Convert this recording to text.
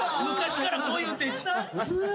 昔からこういう手。